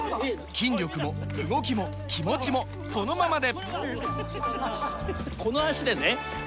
筋力も動きも気持ちもこのままで！